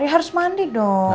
ya harus mandi dong